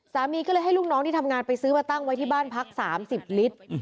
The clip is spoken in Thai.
สามีก็เลยให้ลูกน้องที่ทำงานไปซื้อมาตั้งไว้ที่บ้านพัก๓๐ลิตร